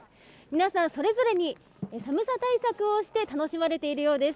皆さん、それぞれに寒さ対策をして楽しまれているようです。